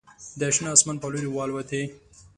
د شنه اسمان په لوري والوتې